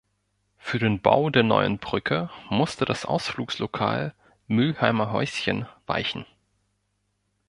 Für den Bau der neuen Brücke musste das Ausflugslokal "Mülheimer Häuschen" weichen.